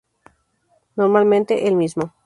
Normalmente, el mismo.